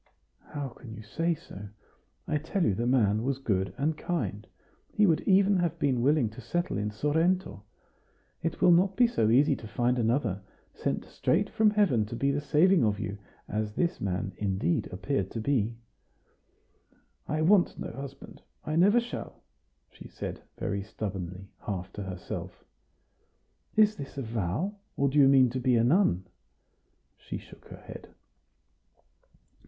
"How can you say so? I tell you the man was good and kind; he would even have been willing to settle in Sorrento. It will not be so easy to find another, sent straight from heaven to be the saving of you, as this man, indeed, appeared to be." "I want no husband I never shall," she said, very stubbornly, half to herself. "Is this a vow? or do you mean to be a nun?" She shook her head.